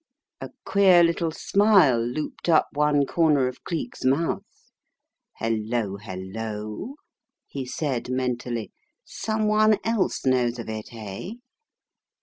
A queer little smile looped up one corner of Cleek's mouth. "Hello, hello!" he said, mentally, "someone else knows of it, eh?"